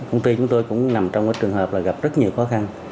công ty chúng tôi cũng nằm trong trường hợp là gặp rất nhiều khó khăn